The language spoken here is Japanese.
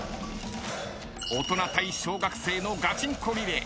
大人対小学生のガチンコリレー